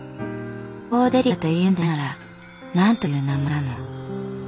コーデリアというんでないなら何という名前なの？』。